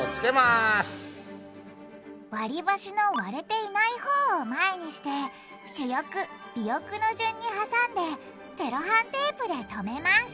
わりばしの割れていない方を前にして主翼尾翼の順に挟んでセロハンテープでとめます